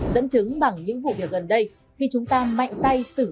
dẫn chứng bằng những vụ việc gần đây khi chúng ta mạnh tay xử lý tham nhũ tiêu cực